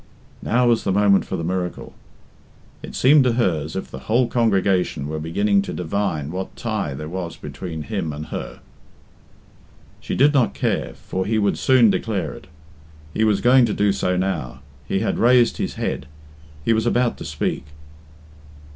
Now was the moment for the miracle. It seemed to her as if the whole congregation were beginning to divine what tie there was between him and her. She did not care, for he would soon declare it. He was going to do so now; he had raised his head, he was about to speak.